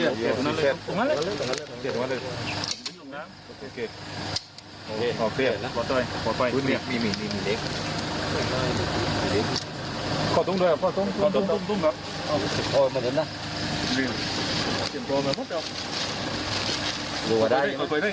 ไปได้ครับ